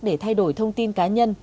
để thay đổi thông tin cá nhân